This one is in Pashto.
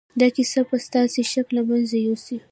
دا کیسه به ستاسې شک له منځه یوسي